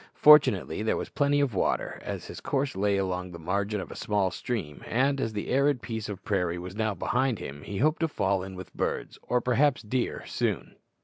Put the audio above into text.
Fortunately there was plenty of water, as his course lay along the margin of a small stream, and, as the arid piece of prairie was now behind him, he hoped to fall in with birds, or perhaps deer, soon.